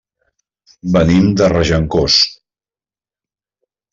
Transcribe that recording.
Venim de Regencós.